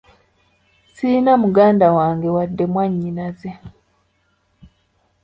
Sirina muganda wange wadde mwannyinaze.